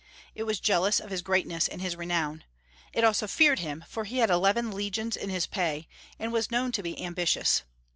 It was jealous of his greatness and his renown. It also feared him, for he had eleven legions in his pay, and was known to be ambitious.